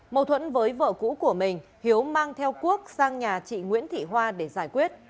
mâu thuẫn với vợ cũ của mình hiếu mang theo quốc sang nhà chị nguyễn thị hoa để giải quyết